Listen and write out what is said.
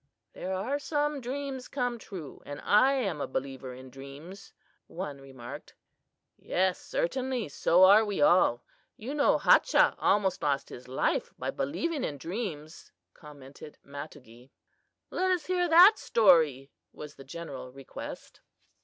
"There are some dreams come true, and I am a believer in dreams," one remarked. "Yes, certainly, so are we all. You know Hachah almost lost his life by believing in dreams," commented Matogee. "Let us hear that story," was the general request.